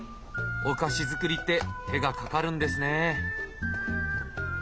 お菓子作りって手がかかるんですねぇ。